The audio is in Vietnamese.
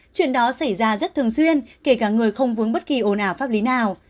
chuyện đó xảy ra rất thường xuyên kể cả người không vướng bất kỳ ồn ào pháp lý nào